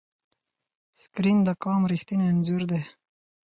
سکرین د قوم ریښتینی انځور نه دی.